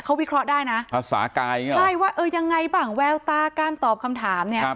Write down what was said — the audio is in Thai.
เขาวิเคราะห์ได้นะภาษากายใช่ว่ายังไงบ้างแววตาการตอบคำถาม